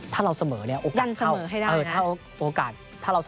ถ้าเราเสมอเนี่ยโอกาสเข้า